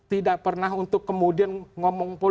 tidak pernah untuk kemudian ngomong